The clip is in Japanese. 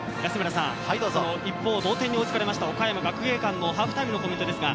同点に追いつかれた、岡山学芸館のハーフタイムのコメントです。